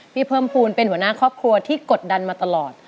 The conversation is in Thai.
เพิ่มภูมิเป็นหัวหน้าครอบครัวที่กดดันมาตลอด